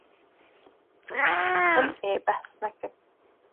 Hûn ê behs nekin.